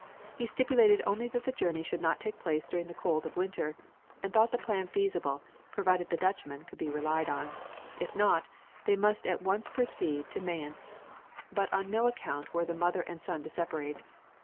He stipulated only that the journey should not take place during the cold of winter, and thought the plan feasible, provided the Dutchman could be relied on; if not, they must at once proceed to Mayence. But on no account were the mother and son to separate.